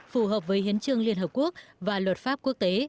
phù hợp với hiến trương liên hợp quốc và luật pháp quốc tế